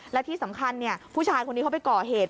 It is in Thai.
และที่สำคัญผู้ชายคนนี้เขาไปก่อเหตุ